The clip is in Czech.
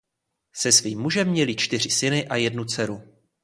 Se svým mužem měli čtyři syny a jednu dceru.